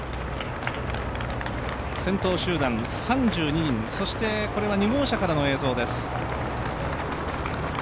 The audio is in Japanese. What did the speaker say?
先頭集団、３２人、そしてこれは２号車からの映像です。